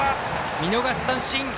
見逃し三振！